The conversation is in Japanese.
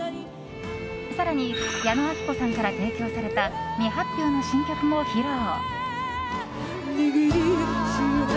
更に矢野顕子さんから提供された未発表の新曲も披露。